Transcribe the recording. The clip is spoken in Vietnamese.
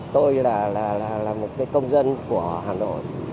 tôi là một công dân của hà nội